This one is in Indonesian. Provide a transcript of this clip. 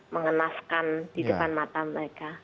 mengenaskan di depan mata mereka